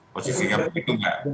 posisinya begitu mbak